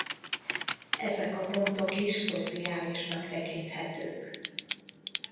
Ezek a pontok is szociálisnak tekinthetők.